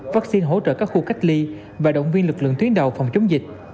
vaccine hỗ trợ các khu cách ly và động viên lực lượng tuyến đầu phòng chống dịch